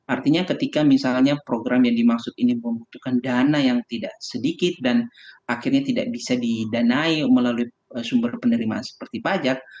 artinya ketika misalnya program yang dimaksud ini membutuhkan dana yang tidak sedikit dan akhirnya tidak bisa didanai melalui sumber penerimaan seperti pajak